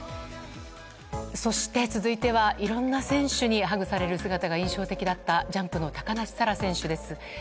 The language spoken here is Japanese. そして続いては、いろんな選手にハグされる姿が印象的だった、ジャンプの高梨沙羅選手です。